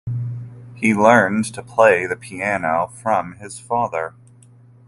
He learned to play the piano from his father.